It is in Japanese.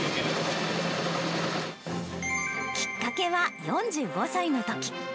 きっかけは４５歳のとき。